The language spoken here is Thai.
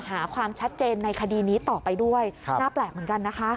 หาความชัดเจนในคดีนี้ต่อไปด้วยน่าแปลกเหมือนกันนะคะ